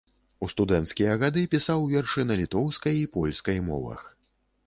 У студэнцкія гады пісаў вершы на літоўскай і польскай мовах.